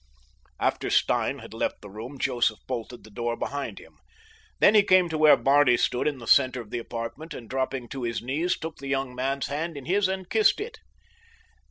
After Stein had left the room Joseph bolted the door behind him. Then he came to where Barney stood in the center of the apartment, and dropping to his knees took the young man's hand in his and kissed it.